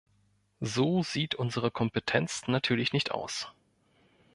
So sieht unsere Kompetenz natürlich nicht aus.